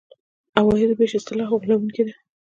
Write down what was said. عوایدو وېش اصطلاح غولوونکې ده.